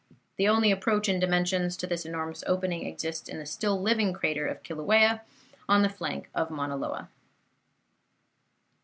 The only approach in dimensions to this enormous opening exists in the still living crater of Kilauea, on the flank of Mauna Loa.